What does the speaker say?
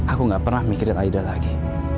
aku gak pernah mikirin aida lagi